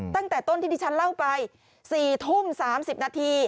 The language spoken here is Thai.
ตั้งแต่ต้นที่ดิฉันเล่าไป๔ทุ่ม๓๐นาที